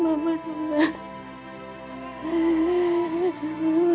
mama jangan aku gak mau sama mama